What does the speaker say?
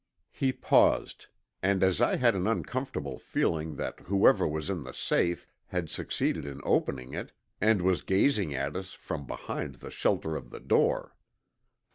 He paused, and I had an uncomfortable feeling that whoever was in the safe had succeeded in opening it and was gazing at us from behind the shelter of the door.